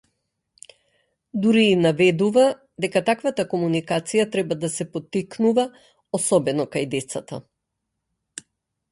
Дури и наведува дека таквата комуникација треба да се поттикнува, особено кај децата.